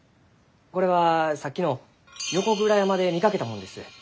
これはさっきの横倉山で見かけたもんです。